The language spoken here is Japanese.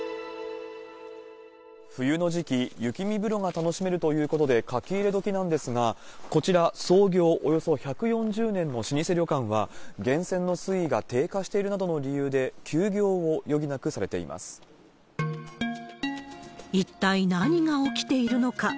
冬の時期、雪見風呂が楽しめるということで、書き入れ時なんですが、こちら創業およそ１４０年の老舗旅館は、源泉の水位が低下しているなどの理由で、一体何が起きているのか。